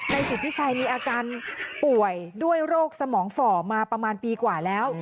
สิทธิชัยมีอาการป่วยด้วยโรคสมองฝ่อมาประมาณปีกว่าแล้ว